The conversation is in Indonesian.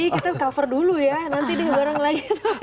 kita cover dulu ya nanti dihubungin lagi